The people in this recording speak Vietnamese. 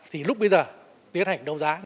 thì lúc bây giờ tiến hành đầu giá